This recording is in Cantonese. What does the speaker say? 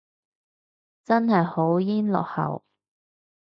真係好撚落後